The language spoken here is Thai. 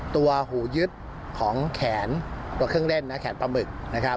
ตัวหูยึดของแขนเครื่องเล่นแขนปลาหมึก